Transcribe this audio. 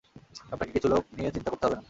আপনাকে কিছু লোক নিয়ে চিন্তা করতে হবে না।